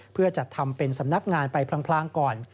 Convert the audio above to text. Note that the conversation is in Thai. เพื่อจัดทำเป็นสำนักงานไปพลางก่อน